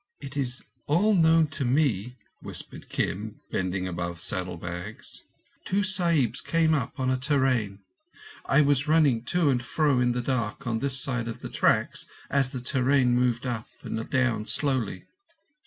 "It is all known to me," whispered Kim, bending above saddlebags. 'Two Sahibs came up on a te train. I was running to and fro in the dark on this side of the trucks as the te train moved up and down slowly.